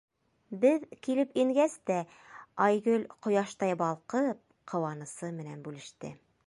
Беҙ килеп ингәс тә, Айгөл, ҡояштай балҡып, ҡыуанысы менән бүлеште.